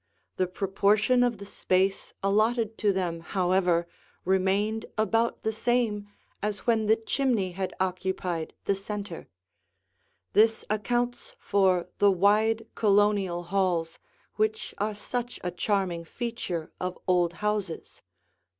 The proportion of the space allotted to them, however, remained about the same as when the chimney had occupied the center. This accounts for the wide Colonial halls, which are such a charming feature of old houses.